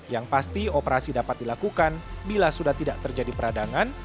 yang pasti operasi dapat dilakukan bila sudah tidak terjadi peradangan